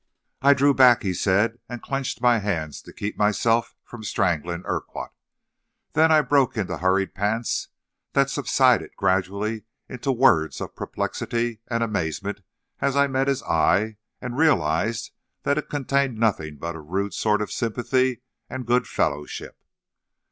"I drew back," he said, "and clenched my hands to keep myself from strangling Urquhart. Then I broke into hurried pants, that subsided gradually into words of perplexity and amazement as I met his eye, and realized that it contained nothing but a rude sort of sympathy and good fellowship.